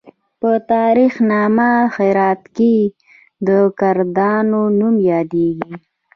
په تاریخ نامه هرات کې د کردانو نوم یادیږي.